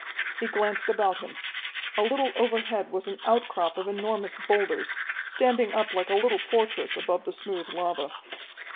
He glanced about him. A little overhead was an outcrop of enormous boulders, standing up like a little fortress above the smooth lava.